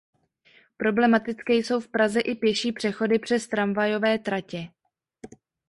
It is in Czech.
Problematické jsou v Praze i pěší přechody přes tramvajové tratě.